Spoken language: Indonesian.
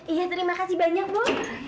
iya terima kasih banyak bu